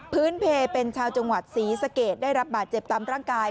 เพลเป็นชาวจังหวัดศรีสะเกดได้รับบาดเจ็บตามร่างกาย